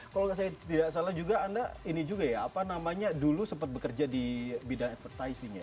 kalau saya tidak salah juga anda ini juga ya apa namanya dulu sempat bekerja di bidang advertising ya